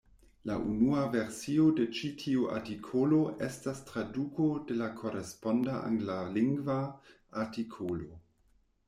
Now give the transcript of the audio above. La unua versio de ĉi tiu artikolo estas traduko de la koresponda Anglalingva artikolo.